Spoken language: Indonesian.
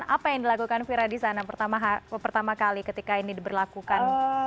apa yang dilakukan vira di sana pertama kali ketika ini diberlakukan